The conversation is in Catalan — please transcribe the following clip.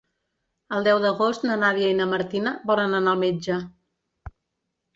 El deu d'agost na Nàdia i na Martina volen anar al metge.